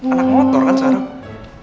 anak motor kan sekarang